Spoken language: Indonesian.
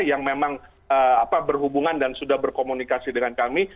yang memang berhubungan dan sudah berkomunikasi dengan kami